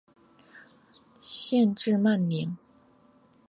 县治曼宁。